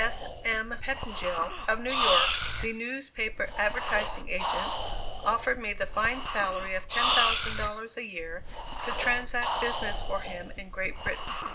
S. M. Pettengill, of New York, the newspaper advertising agent, offered me the fine salary of $10,000 a year to transact business for him in Great Britain.